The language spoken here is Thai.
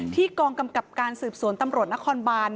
กองกำกับการสืบสวนตำรวจนครบาน